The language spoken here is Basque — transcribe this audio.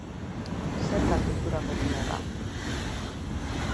Zer da kultura popularra?